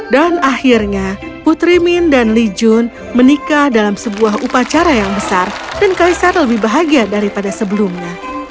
dan akhirnya putri min dan li jun menikah dalam sebuah upacara yang besar dan kaisar lebih bahagia daripada sebelumnya